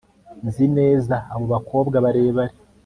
Nzi neza abo bakobwa barebare